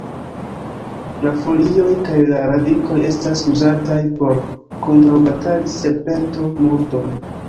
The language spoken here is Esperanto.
La folioj kaj la radikoj estas uzataj por kontraŭbatali serpento-murdon.